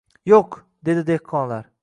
— Yo‘q, — dedi dehqonlar.